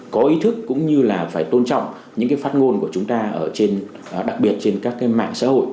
có ý thức cũng như là phải tôn trọng những cái phát ngôn của chúng ta ở trên đặc biệt trên các cái mạng xã hội